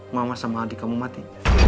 mama sama adik kamu mati